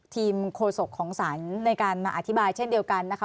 โฆษกของศาลในการมาอธิบายเช่นเดียวกันนะคะ